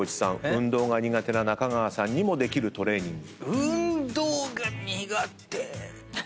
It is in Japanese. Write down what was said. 運動が苦手な中川さんにもできるトレーニング。